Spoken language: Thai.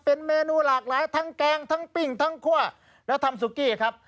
เป็นเมนูหลากหลายทั้งแกงทั้งปิ้งทั้งคั่วแล้วทำซุกี้ครับ